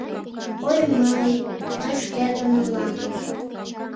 — Ой, мый... мый шкетын улам...